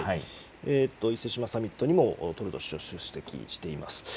伊勢志摩サミットにもトルドー首相、出席しています。